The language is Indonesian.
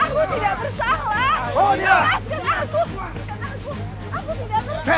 aku tidak bersalah